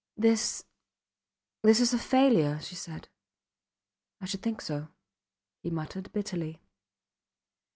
This this is a failure, she said. I should think so, he muttered, bitterly.